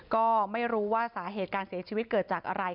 ก็ไม่รู้ว่าสาเหตุการเสียชีวิตเกิดจากอะไร